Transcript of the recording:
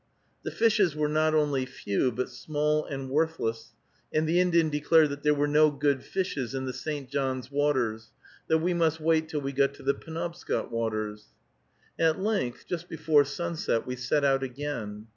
The fishes were not only few, but small and worthless, and the Indian declared that there were no good fishes in the St. John's waters; that we must wait till we got to the Penobscot waters. At length, just before sunset, we set out again.